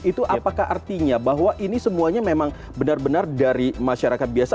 itu apakah artinya bahwa ini semuanya memang benar benar dari masyarakat biasa